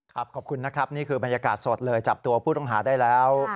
ขอบคุณนะครับนี่คือบรรยากาศสดเลยจับตัวผู้ต้องหาได้แล้ว